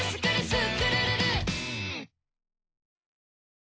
スクるるる！」